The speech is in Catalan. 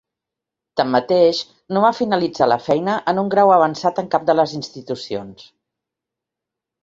Tanmateix, no va finalitzar la feina en un grau avançat en cap de les institucions.